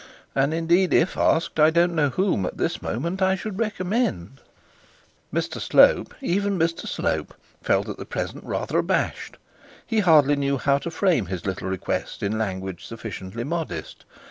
And indeed, if asked, I don't know whom, at this moment, I should recommend.' Mr Slope, even Mr Slope, felt at present rather abashed. He hardly knew how to frame his little request in language sufficiently modest.